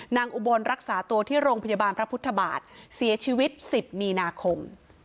อุบลรักษาตัวที่โรงพยาบาลพระพุทธบาทเสียชีวิต๑๐มีนาคม